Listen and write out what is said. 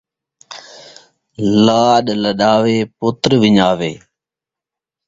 لاݙ لݙاوے پتر ون٘ڄاوے